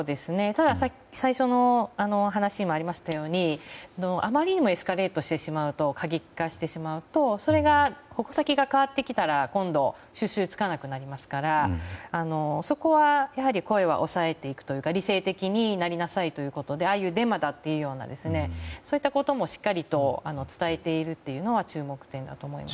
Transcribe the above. ただ最初の話にもありましたようにあまりにもエスカレートしてしまうとそれが矛先が変わってきたら今度、収集つかなくなりますからそこはやはり声は抑えていくというか理性的になりなさいということでああいうデマだということもしっかりと伝えているというのは注目点だと思います。